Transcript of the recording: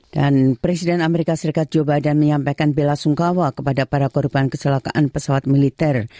dan presiden amerika serikat jawa badan menyampaikan bela sungkawa kepada para korupan keselakaan pesawat militer